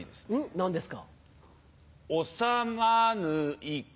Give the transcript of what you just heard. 何ですか？